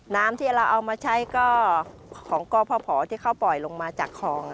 น้ำที่เราเอามาใช้ก็ของกพที่เขาปล่อยลงมาจากคลอง